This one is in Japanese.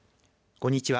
こんにちは。